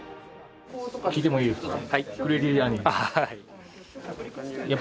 聞いてもいいですか？